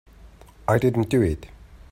I didn't do it.